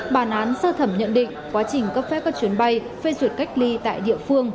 bản án sơ thẩm nhận định quá trình cấp phép các chuyến bay phê duyệt cách ly tại địa phương